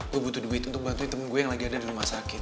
gue butuh duit untuk bantuin temen gue yang lagi ada di rumah sakit